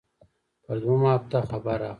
پر دويمه هفته خبر راغى.